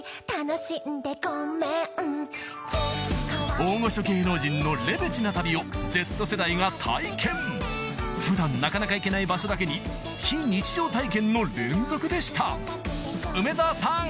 大御所芸能人のレベチな旅をＺ世代が体験普段なかなか行けない場所だけに非日常体験の連続でした梅沢さん